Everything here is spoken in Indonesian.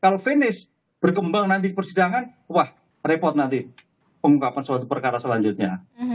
kalau finish berkembang nanti persidangan wah repot nanti pengungkapan suatu perkara selanjutnya